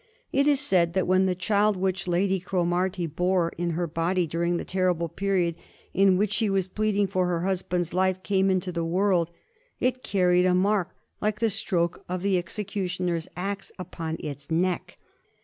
It is said that when the child which Lady Cromarty bore in her body during the terrible period in which she was pleading for her husband's life came into the world, it carried a mark like the stroke of the executioner's axe upon its neck.